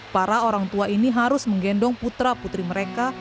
para orang tua ini harus menggendong putra putri mereka